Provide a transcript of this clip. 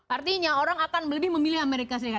artinya orang akan lebih memilih amerika serikat